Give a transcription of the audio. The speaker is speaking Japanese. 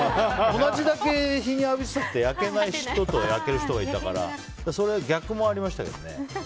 同じだけ日に浴びてたって焼けない人と焼ける人がいたからそれは逆もありましたけどね。